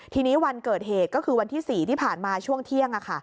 ทีนี้วันเกิดเหตุก็คือวันที่๔ที่ผ่านมาช่วงเที่ยง